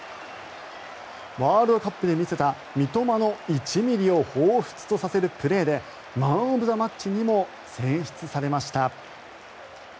ワールドカップで見せた三笘の１ｍｍをほうふつとさせるプレーでマン・オブ・ザ・マッチにも選出されました。